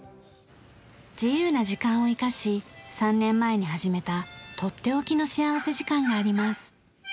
自由な時間を生かし３年前に始めたとっておきの幸福時間があります。